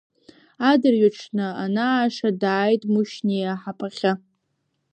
Адырҩаҽны анааша дааит Мушьни аҳаԥахьы.